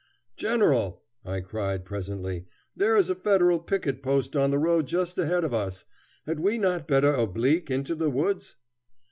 "General," I cried presently, "there is a Federal picket post on the road just ahead of us. Had we not better oblique into the woods?"